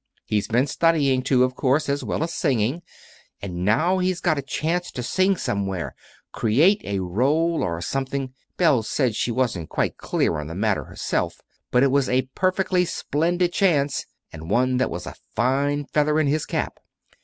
He's been studying, too, of course, as well as singing; and now he's got a chance to sing somewhere create a rôle, or something Belle said she wasn't quite clear on the matter herself, but it was a perfectly splendid chance, and one that was a fine feather in his cap."